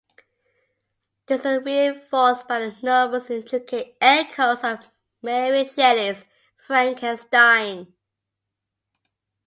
This is reinforced by the novel's intricate echoes of Mary Shelley's "Frankenstein".